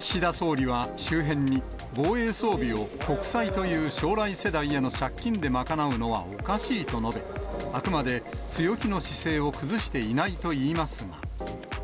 岸田総理は周辺に、防衛装備を国債という将来世代への借金で賄うのはおかしいと述べ、あくまで強気の姿勢を崩していないといいますが。